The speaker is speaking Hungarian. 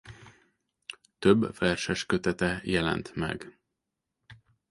Több verseskötete jelent meg.